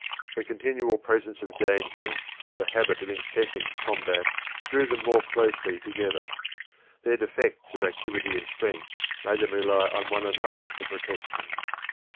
The continual presence of danger, the habit of incessant combat, drew them more closely together. Their defects of activity and strength made them rely on one another for protection.